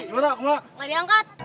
weh gak diangkat